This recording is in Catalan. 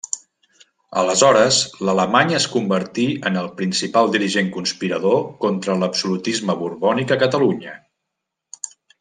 Aleshores, l'alemany es convertí en el principal dirigent conspirador contra l'absolutisme borbònic a Catalunya.